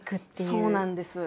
そうなんです。